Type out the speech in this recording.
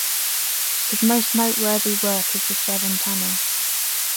His most noteworthy work is the Severn Tunnel.